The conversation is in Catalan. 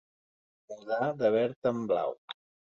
Mudar de verd en blau.